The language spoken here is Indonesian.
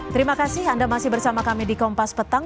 terima kasih anda masih bersama kami di kompas petang